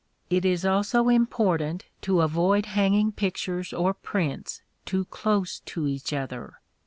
It is also important to avoid hanging pictures or prints too close to each other.